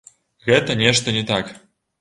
Гэта нешта не так.